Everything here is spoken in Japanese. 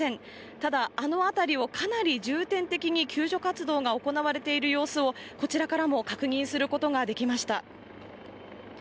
ただ、あの辺りをかなり重点的に救助活動が行われている様子を、こちらからも確認することができました。